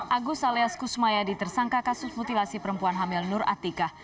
agus alias kusmayadi tersangka kasus mutilasi perempuan hamil nur atika